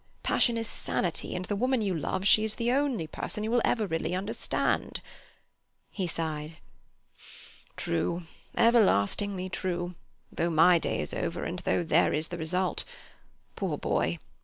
Passion is sanity, and the woman you love, she is the only person you will ever really understand.'" He sighed: "True, everlastingly true, though my day is over, and though there is the result. Poor boy!